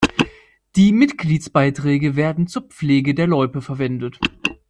Die Mitgliedsbeiträge werden zur Pflege der Loipe verwendet.